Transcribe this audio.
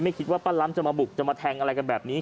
คิดว่าป้าล้ำจะมาบุกจะมาแทงอะไรกันแบบนี้